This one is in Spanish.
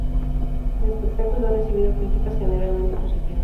El espectáculo ha recibido críticas generalmente positivas.